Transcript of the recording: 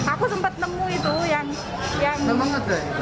aku sempat nemu itu yang